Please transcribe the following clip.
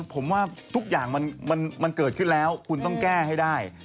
ผมว่าทุกอย่างมันเกิดขึ้นแล้วคุณต้องแก้ให้ได้